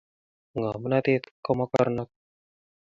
Ng'omnotete ko mokornot